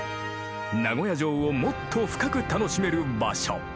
名古屋城をもっと深く楽しめる場所。